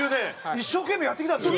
一生懸命やってきたんでしょ？